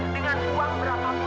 dengan uang berapa pun